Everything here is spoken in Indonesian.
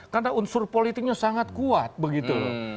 karena unsur politiknya sangat kuat begitu